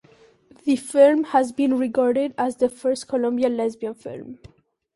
The film has been regarded as "the first Colombian lesbian film".